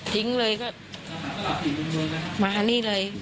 ทิ้งเลยก็มานี่เลย